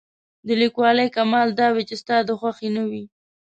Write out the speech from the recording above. د لیکوالۍ کمال دا وي چې ستا د خوښې نه وي.